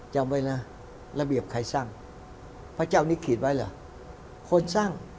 จำไว้นะระเบียบใครสร้างพระเจ้านี่ขีดไว้เหรอคนสร้าง